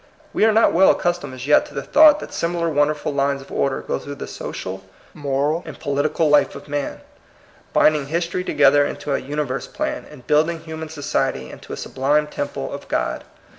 We are not well accustomed as yet to the thought that similar wonderful lines of order go through the social, moral, and political life of man, binding history to gether into a universe plan, and building human society into a sublime temple of God.